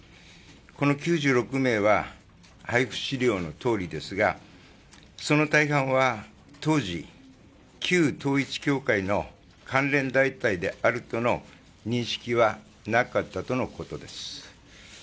この９６名は配付資料のとおりですが、その大半は当時、旧統一教会の関連団体であるとの認識はなかったとのことです。